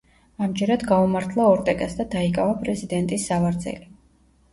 ამჯერად გაუმართლა ორტეგას და დაიკავა პრეზიდენტის სავარძელი.